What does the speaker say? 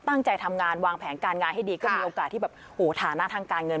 ตั้งใจทำงานวางแผนการงานให้ดีก็มีโอกาสที่แบบโหฐานะทางการเงิน